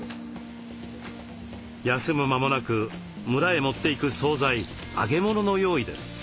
休む間もなく村へ持っていく総菜揚げ物の用意です。